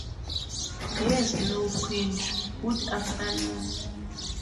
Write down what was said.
Dear Snow Queen, good afternoon.